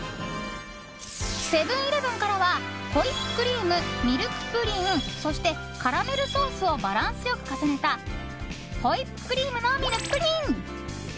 セブン‐イレブンからはホイップクリーム、ミルクプリンそしてカラメルソースをバランスよく重ねたホイップクリームのミルクプリン。